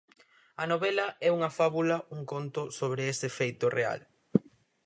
A novela é unha fábula, un conto, sobre ese feito real.